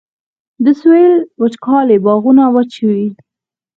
د سویل وچکالي باغونه وچوي